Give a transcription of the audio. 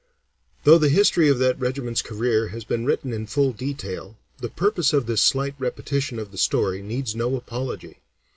Though the history of that regiment's career has been written in full detail, the purpose of this slight repetition of the story needs no apology.